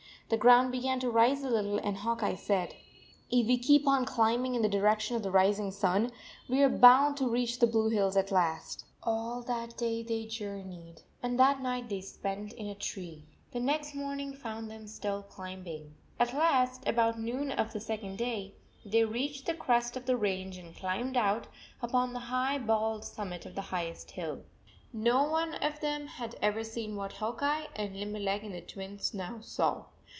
The ground began to rise a little, and Hawk Eye said, " If we keep on climbing in the direction of the rising sun, we are bound to reach the blue hills at last." 96 : JT All that day they journeyed, and that night they spent in a tree. The next morn ing found them still climbing. At last, about noon of the second day, they reached the crest of the range and climbed out upon the high, bald summit of the highest hill. 97 No one of their clan had ever been so far from the cave, and no one of them had ever seen what Hawk Eye and Limberleg and the Twins now saw.